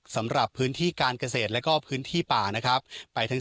สำหรับพื้นที่การเกษตรแล้วก็พื้นที่ป่านะครับ